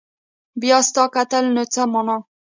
بيا ستا کتل نو څه معنا